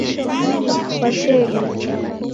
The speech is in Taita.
Kwachee lihi ?